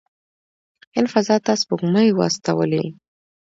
هند فضا ته سپوږمکۍ واستولې.